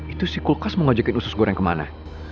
itu si kulkas mau ngajakin usus goreng kemana